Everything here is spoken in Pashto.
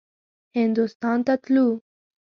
هندوستان ته تلو.